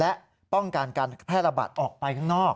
และป้องกันการแพร่ระบาดออกไปข้างนอก